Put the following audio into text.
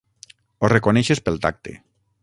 Ho reconeixes pel tacte.